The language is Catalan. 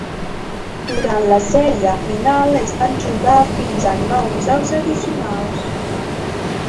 Durant la sèrie final es van jugar fins a nou jocs addicionals.